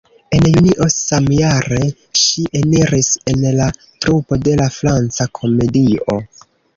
En junio samjare, ŝi eniris en la trupo de la Franca Komedio.